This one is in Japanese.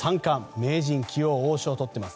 名人、棋王、王将をとっています。